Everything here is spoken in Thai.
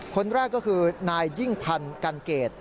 คนแรกก็คือนายยิ่งพันธ์กันเกต